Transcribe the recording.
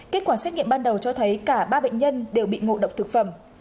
kết quả xét nghiệm ban đầu cho thấy cả ba bệnh nhân đều bị ngộ độc thực phẩm